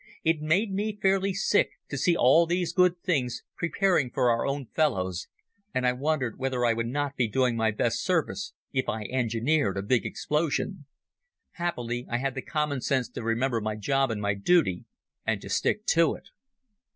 It made me fairly sick to see all these good things preparing for our own fellows, and I wondered whether I would not be doing my best service if I engineered a big explosion. Happily I had the common sense to remember my job and my duty and to stick to it.